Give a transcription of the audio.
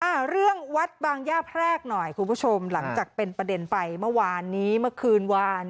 อ่าเรื่องวัดบางย่าแพรกหน่อยคุณผู้ชมหลังจากเป็นประเด็นไปเมื่อวานนี้เมื่อคืนวาน